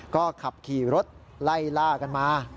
ก็ขับขี่รถไล่ล่ากันมา